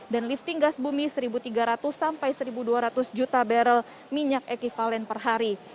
dan lifting gas bumi rp satu tiga ratus sampai rp satu dua ratus juta barrel minyak ekivalen per hari